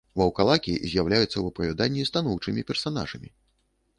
Ваўкалакі з'яўляюцца ў апавяданні станоўчымі персанажамі.